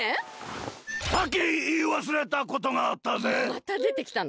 またでてきたの？